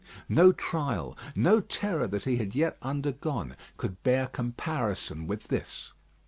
No trial, no terror that he had yet undergone, could bear comparison with this.